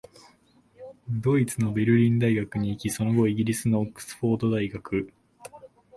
ドイツのベルリン大学に行き、その後、イギリスのオックスフォード大学、